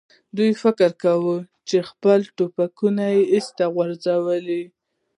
دوی فکر کوي، چې که خپل ټوپکونه ایسته وغورځوي.